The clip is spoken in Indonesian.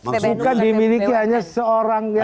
maksudnya dimiliki hanya seorang yang